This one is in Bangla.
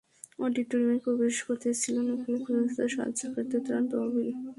অডিটরিয়ামের প্রবেশপথে ছিল নেপালে ক্ষতিগ্রস্তদের সাহায্যার্থে ত্রাণ তহবিল সংগ্রহের জন্য অনুদান বাক্স।